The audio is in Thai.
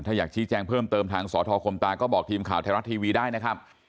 ถ้าอยากชี้แจงเพิ่มเติมทางสทคมตาก็บอกทีมข่าวไทยรัฐทีวีได้นะครับ